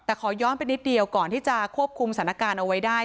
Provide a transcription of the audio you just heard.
แต่ขอย้อนไปนิดเดียวก่อนที่จะควบคุมสถานการณ์เอาไว้ได้